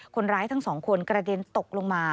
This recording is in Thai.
คนร้ายทั้งสองคนกระเด็นตกลงมา